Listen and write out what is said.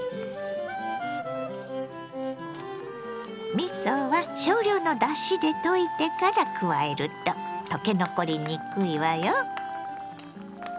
みそは少量のだしで溶いてから加えると溶け残りにくいわよ。